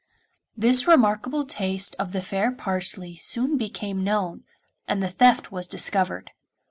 This remarkable taste of the fair Parsley soon became known, and the theft was discovered.